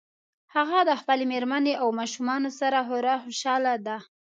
هغه د خپلې مېرمنې او ماشومانو سره خورا خوشحاله ده